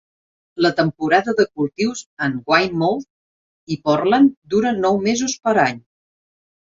La temporada de cultius en Weymouth i Portland dura nou mesos per any.